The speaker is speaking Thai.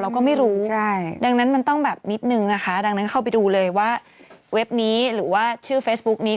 เราก็ไม่รู้ใช่ดังนั้นมันต้องแบบนิดนึงนะคะดังนั้นเข้าไปดูเลยว่าเว็บนี้หรือว่าชื่อเฟซบุ๊กนี้